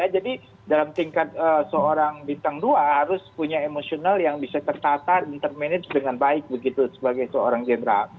jadi dalam tingkat seorang bintang dua harus punya emosional yang bisa tertata yang bisa dipermanage dengan baik sebagai seorang general